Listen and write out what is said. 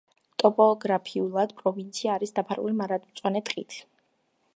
ტოპოგრაფიულად, პროვინცია არის დაფარული მარადმწვანე ტყით.